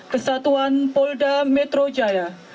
kesatuan polda metro jaya